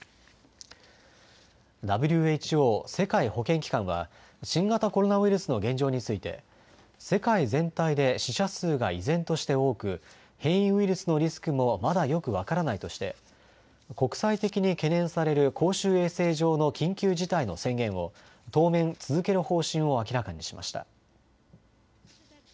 ＷＨＯ・世界保健機関は新型コロナウイルスの現状について世界全体で死者数が依然として多く変異ウイルスのリスクもまだよく分からないとして国際的に懸念される公衆衛生上の緊急事態の宣言を当面、続ける方針を明らかにしました。